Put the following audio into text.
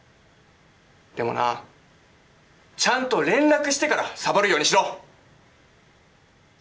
でもなちゃんと連絡してからサボるようにしろ。